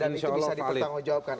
dan itu bisa dipertanggungjawabkan